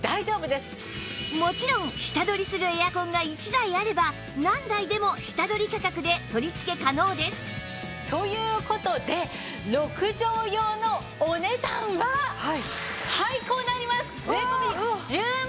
もちろん下取りするエアコンが１台あれば何台でも下取り価格で取り付け可能ですという事で６畳用のお値段ははいこうなります！